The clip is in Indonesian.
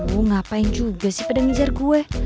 aduh ngapain juga sih pada ngejar gue